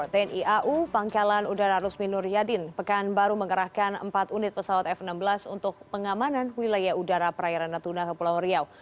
tni au pangkalan udara rusmin nur yadin pekanbaru mengerahkan empat unit pesawat f enam belas untuk pengamanan wilayah udara perairan natuna ke pulau riau